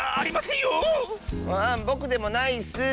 ぼくでもないッス。